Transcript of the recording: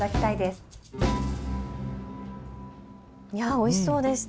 おいしそうでした。